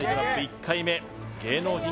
１回目芸能人